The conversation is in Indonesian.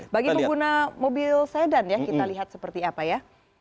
bagi pengguna mobil sedan ya kita lihat seperti apa ya